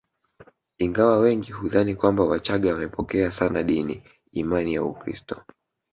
Ingawa wengi hudhani kwamba wachaga wamepokea sana dini imani ya Ukristo